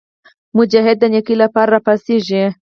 مجاهد د نیکۍ لپاره راپاڅېږي.